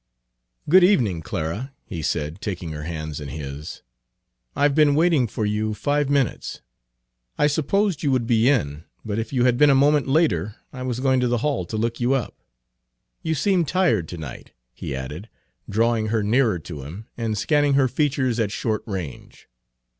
"Good evening, Clara," he said, taking her Page 27 hands in his; "I've been waiting for you five minutes. I supposed you would be in, but if you had been a moment later I was going to the hall to look you up. You seem tired tonight," he added, drawing her nearer to him and scanning her features at short range.